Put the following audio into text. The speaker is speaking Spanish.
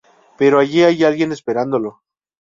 Pero allí hay alguien esperándolo.